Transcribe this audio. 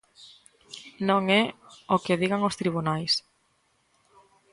Non é o que digan os tribunais.